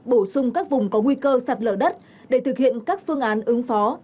bổ sung các vùng có nguy cơ sạt lở đất để thực hiện các phương án ứng phó